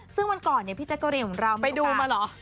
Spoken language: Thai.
ซึ่งวันก่อนพี่แจ๊กก็เลยมีโอกาสไปดูมาหรอ